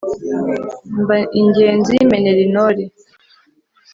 mba ingenzi menera intore